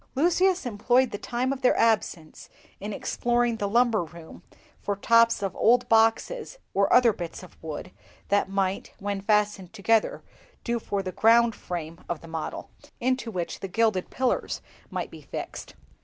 Lucius employed the time of their absence in exploring the lumber room for tops of old boxes or other bits of wood that might, when fastened together, do for the ground frame of the model, into which the gilded pillars might be fixed.